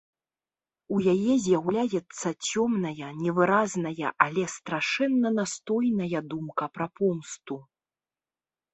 У яе з'яўляецца цёмная, невыразная, але страшэнна настойная думка пра помсту.